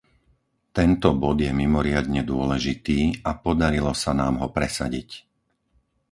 Tento bod je mimoriadne dôležitý a podarilo sa nám ho presadiť.